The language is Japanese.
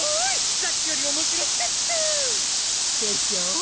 さっきよりおもしろかった！でしょ？